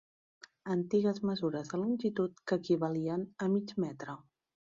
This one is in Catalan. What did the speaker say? Antigues mesures de longitud que equivalien a mig metre.